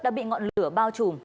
đã bị ngọn lửa bao trùm